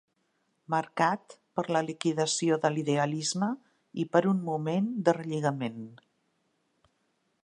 Marcat per la liquidació de l'idealisme i per un moment de relligament.